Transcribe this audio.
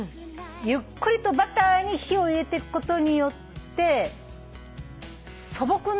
ゆっくりとバターに火を入れてくことによって素朴なまあいいや。